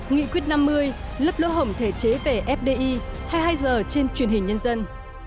nghị quyết năm mươi lấp lỗ hổng thể chế về fdi hai mươi hai h trên truyền hình nhân dân